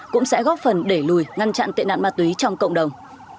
cũng sẽ góp phần để lùi ngăn chặn tệ nạn ma túy trong cộng đồng